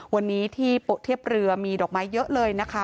วันนี้ที่โปะเทียบเรือมีดอกไม้เยอะเลยนะคะ